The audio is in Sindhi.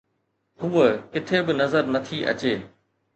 هوءَ ڪٿي به نظر نٿي اچي.